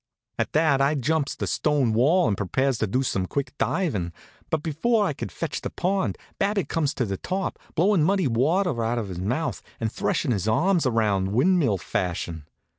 At that I jumps the stone wall and prepares to do some quick divin', but before I could fetch the pond Babbitt comes to the top, blowin' muddy water out of his mouth and threshin' his arms around windmill fashion.